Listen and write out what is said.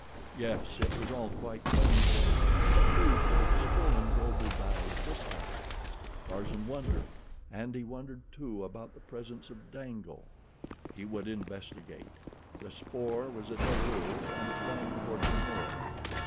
Yes, it was all quite plain now; but who could have stolen Go bu balu this time? Tarzan wondered, and he wondered, too, about the presence of Dango. He would investigate. The spoor was a day old and it ran toward the north.